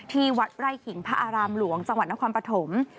ที่วัดไร่ขิงพระอารามหลวงจังหวัดนครปฐม